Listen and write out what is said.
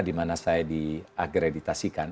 di mana saya diagreditasikan